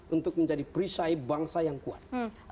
untuk menjadi perisai bangsa yang kuat